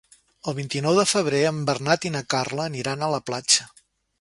El vint-i-nou de febrer en Bernat i na Carla aniran a la platja.